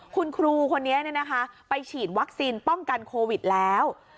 คุณครูคนนี้ไปฉีดวัคซีนป้องกันโควิดแล้ว